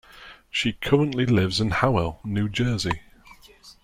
She currently lives in Howell, New Jersey.